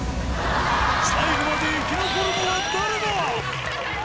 最後まで生き残るのは誰だ？